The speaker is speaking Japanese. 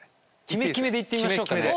決め決めで行ってみましょうかね。